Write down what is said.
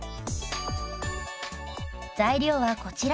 材料はこちら。